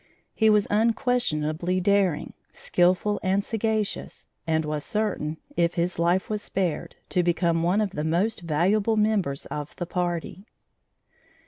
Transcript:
He was unquestionably daring, skilful and sagacious, and was certain, if his life was spared, to become one of the most valuable members of the party.